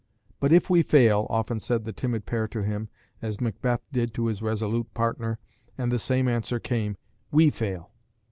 "But if we fail," often said the timid pair to him, as Macbeth did to his resolute partner, and the same answer came, "We fail."